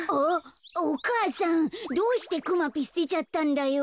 お母さんどうしてくまぴすてちゃったんだよ。